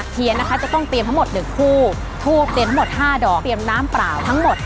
เทียนนะคะจะต้องเตรียมทั้งหมด๑คู่ทูบเตรียมทั้งหมด๕ดอกเตรียมน้ำเปล่าทั้งหมด